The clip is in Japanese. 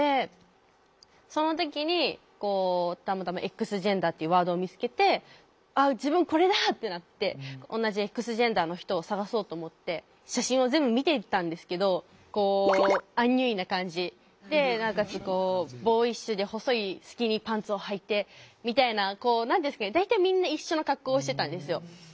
その時にたまたま「Ｘジェンダー」っていうワードを見つけて「あっ自分これだ！」ってなって同じＸジェンダーの人を探そうと思って写真を全部見ていったんですけどこうアンニュイな感じでなおかつボーイッシュで細いスキニーパンツをはいてみたいな大体みんな一緒の格好をしてたんですよ。